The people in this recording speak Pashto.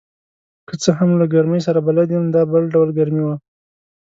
که څه هم له ګرمۍ سره بلد یم، دا بل ډول ګرمي وه.